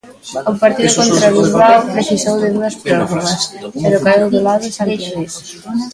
O partido contra o Bilbao precisou de dúas prórrogas, pero caeu do lado santiagués.